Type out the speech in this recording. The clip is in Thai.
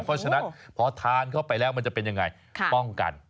เพราะฉะนั้นพอทานเข้าไปแล้วมันจะเป็นอย่างไร